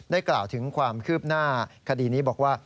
กล่าวถึงความคืบหน้าคดีนี้บอกว่า